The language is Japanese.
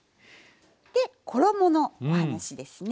で衣のお話ですね。